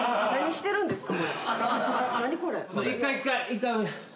何してるんですか？